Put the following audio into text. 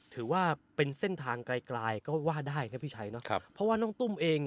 ถือว่าเป็นเส้นทางไกลไกลก็ว่าได้นะพี่ชัยเนอะเพราะว่าน้องตุ้มเอง